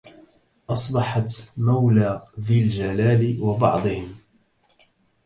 أصبحت مولى ذي الجلال وبعضهم